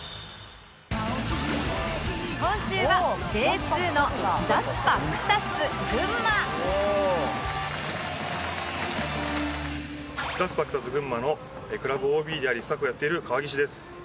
今週はザスパクサツ群馬のクラブ ＯＢ でありスタッフをやっている川岸です。